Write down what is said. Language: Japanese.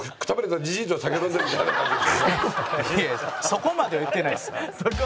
いやいやそこまでは言ってないです。